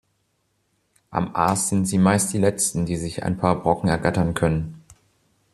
Am Aas sind sie meist die letzten, die sich ein paar Brocken ergattern können.